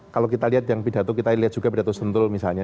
kalau kita lihat yang pidato kita lihat juga pidato sentul misalnya